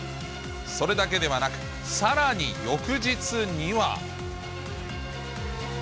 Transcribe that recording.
それだけではなく、さらに翌日には。